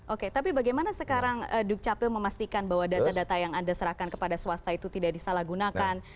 oke tapi bagaimana sekarang dukcapil memastikan bahwa data data yang anda serahkan kepada swasta itu tidak disalahgunakan